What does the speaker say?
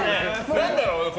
何だろう？